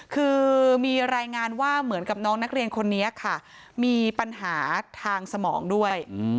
คือมีรายงานว่าเหมือนกับน้องนักเรียนคนนี้ค่ะมีปัญหาทางสมองด้วย